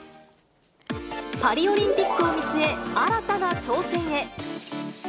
パリオリンピックを見据え、新たな挑戦へ。